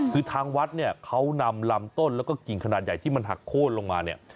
คือทางวัดเนี่ยเขานำลำต้นแล้วก็กิ่งขนาดใหญ่ที่มันหักโค้นลงมาเนี่ย